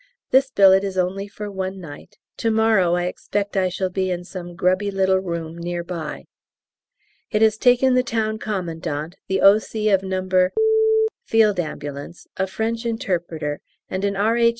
This billet is only for one night; to morrow I expect I shall be in some grubby little room near by. It has taken the Town Commandant, the O.C. of No. F.A., a French interpreter, and an R.H.